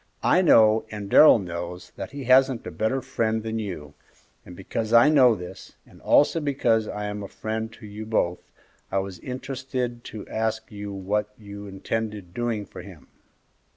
I know, and Darrell knows, that he hasn't a better friend than you, and because I know this, and also because I am a friend to you both, I was interested to ask you what you intended doing for him."